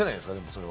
それは。